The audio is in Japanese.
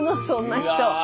そんな人。